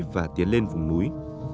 và tiến lên vùng núi